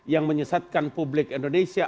yang menyesatkan publik indonesia